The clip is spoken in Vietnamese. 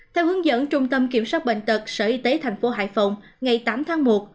theo hướng dẫn trung tâm kiểm soát bệnh tật sở y tế tp hải phòng ngày tám tháng một